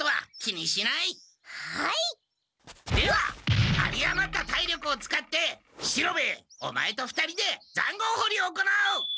では有りあまった体力を使って四郎兵衛オマエと２人でざんごうほりを行う！